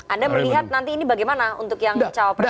anda melihat nanti ini bagaimana untuk yang cawapres